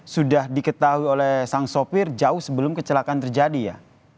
sudah diketahui oleh sang sopir jauh sebelum kecelakaan terjadi ya